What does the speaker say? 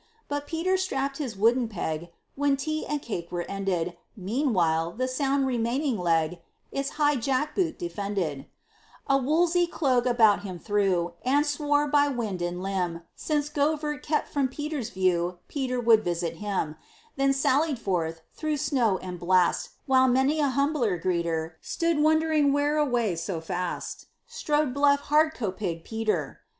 But Peter strapped his wooden peg, When tea and cake were ended (Meanwhile the sound remaining leg Its high jack boot defended), A woolsey cloak about him threw, And swore, by wind and limb, Since Govert kept from Peter's view, Peter would visit him; Then sallied forth, through snow and blast, While many a humbler greeter Stood wondering whereaway so fast Strode bluff Hardkoppig Pieter.